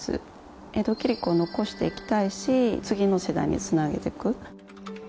江戸切子を残して行きたいし次の世代につなげてく。